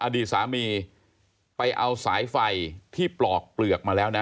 อดีตสามีไปเอาสายไฟที่ปลอกเปลือกมาแล้วนะ